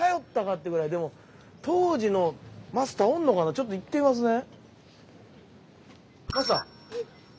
ちょっと行ってみますね。